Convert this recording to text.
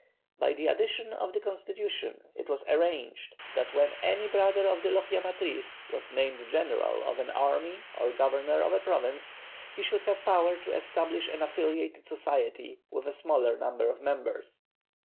By an addition to the constitution, it was arranged that when any brother of the Logia Matriz was named general of an army or governor of a province, he should have power to establish an affiliated society, with a smaller number of members.